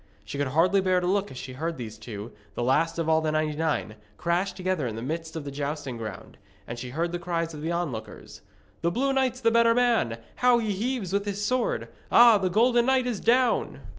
She could hardly bear to look as she heard these two, the last of all the ninety nine, crash together in the midst of the jousting ground. And she heard the cries of the onlookers. 'The blue knight's the better man! How he heaves with his sword! Ah, the golden knight is down!'